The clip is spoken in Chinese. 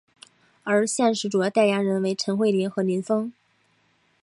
而现时主要代言人为陈慧琳和林峰。